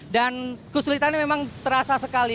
dan kesulitan memang terasa sekali